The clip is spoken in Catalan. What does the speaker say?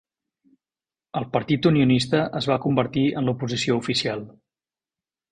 El Partit Unionista és va convertir en l'oposició oficial.